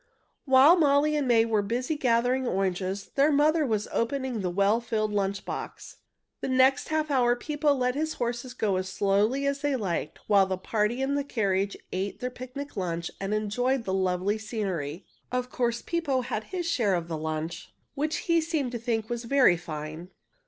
While Molly and May were busy gathering oranges, their mother was opening the well filled lunch box. The next half hour Pippo let his horses go as slowly as they liked, while the party in the carriage ate their picnic dinner and enjoyed the lovely scenery. Of course Pippo had his share of the lunch, which he seemed to think was very fine.